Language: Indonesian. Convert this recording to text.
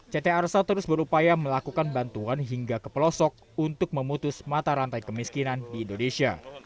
ct arsa terus berupaya melakukan bantuan hingga ke pelosok untuk memutus mata rantai kemiskinan di indonesia